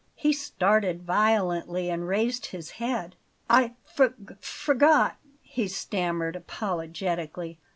He started violently and raised his head. "I f forgot," he stammered apologetically.